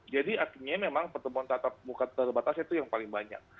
jadi artinya memang pertemuan tatap muka terbatas itu yang paling banyak